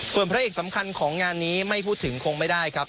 ส่วนพระเอกสำคัญของงานนี้ไม่พูดถึงคงไม่ได้ครับ